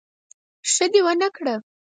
ښه دي ونکړه